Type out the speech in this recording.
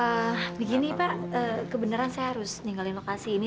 nah begini pak kebenaran saya harus ninggalin lokasi ini